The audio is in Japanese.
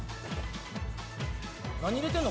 何入れてるの？